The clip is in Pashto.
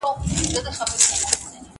د هغوی د مشاهدې ډول بيخي ځانګړی و.